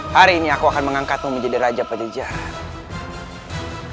hari ini aku akan mengangkatmu menjadi raja pajajara